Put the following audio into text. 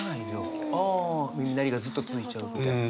耳鳴りがずっと続いちゃうみたいな。